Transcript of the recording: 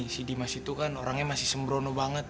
si dimas itu kan orangnya masih sembrono banget